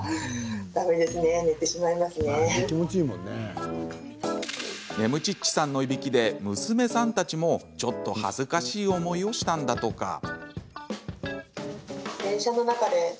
ねむちっちさんのいびきで娘さんたちも、ちょっと恥ずかしい思いをしたんだとか。